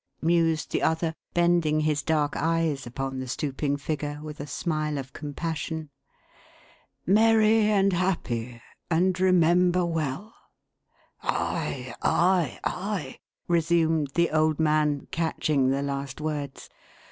" mused the other, bending his dark eyes upon the stooping figure, with a smile of compassion. " Merry and happy — and remember well !" "Ay, ay, ay!" resumed the old man, catching the last words.